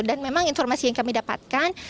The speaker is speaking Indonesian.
dan memang informasi yang kami dapatkan